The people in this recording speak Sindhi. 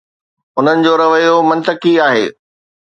انهن جو رويو منطقي آهي.